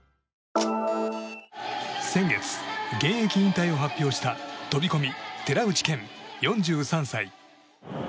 先月、現役引退を発表した飛込、寺内健、４３歳。